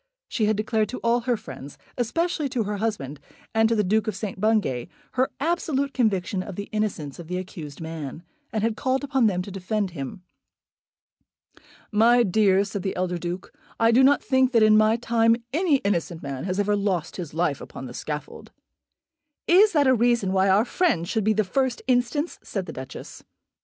She had declared to all her friends, especially to her husband and to the Duke of St. Bungay, her absolute conviction of the innocence of the accused man, and had called upon them to defend him. "My dear," said the elder Duke, "I do not think that in my time any innocent man has ever lost his life upon the scaffold." "Is that a reason why our friend should be the first instance?" said the Duchess.